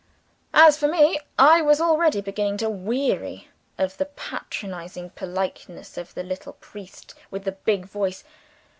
As for me, I was already beginning to weary of the patronizing politeness of the little priest with the big voice.